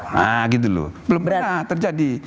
nah gitu loh belum pernah terjadi